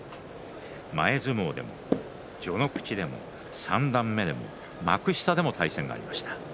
前相撲でも序ノ口でも三段目でも幕下でも対戦がありました。